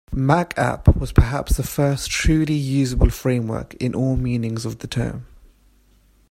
MacApp was perhaps the first truly usable framework in all meanings of the term.